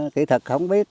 kỹ thật không biết